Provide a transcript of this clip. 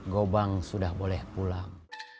gobang sudah boleh pulang